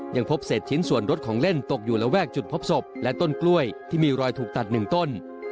ยังพบเศษชิ้นส่วนรถของเล่นตกอยู่ระแวกจุดพบศพและต้นกล้วยที่มีรอยถูกตัด๑ต้น